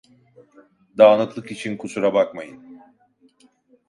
Dağınıklık için kusura bakmayın.